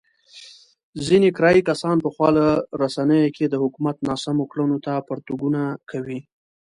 ځنې کرايي کسان په خواله رسينو کې د حکومت ناسمو کړنو ته پرتوګونه کوي.